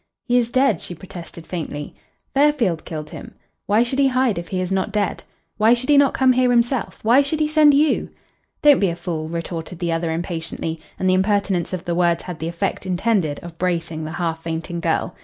"He is dead," she protested faintly. "Fairfield killed him. Why should he hide if he is not dead? Why should he not come here himself? Why should he send you?" "Don't be a fool," retorted the other impatiently, and the impertinence of the words had the effect intended of bracing the half fainting girl.